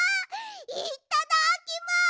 いっただっきます！